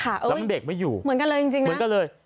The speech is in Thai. แล้วมันเด็กไม่อยู่เหมือนกันเลยจริงนะเหมือนกันเลย